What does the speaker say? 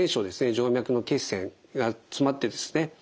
静脈の血栓が詰まってですね